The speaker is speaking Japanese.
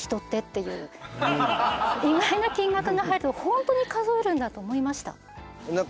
意外な金額が入るとホントに数えるんだと思いました。